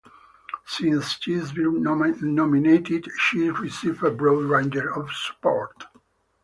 Since she’s been nominated, she’s received a broad range of support.